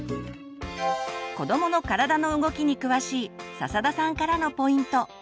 子どもの体の動きに詳しい笹田さんからのポイント。